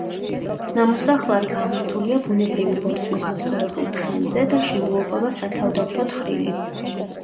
ნამოსახლარი გამართულია ბუნებრივი ბორცვის მოსწორებულ თხემზე და შემოუყვება სათავდაცვო თხრილი.